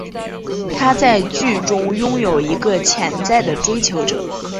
她在剧中拥有一个潜在追求者。